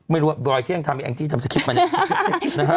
ไม่รู้บอยเที่ยงธรรมแอ้งจี้จำสะคริบมาเนี่ย